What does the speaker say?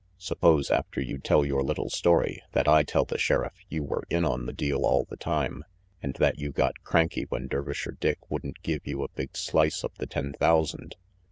Suppose, after you tell your little story that I tell the sheriff you were in on the deal all the time, and that jou got cranky when Dervisher Dick wouldn't give you a big slice of the ten thousand.